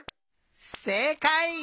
せいかい！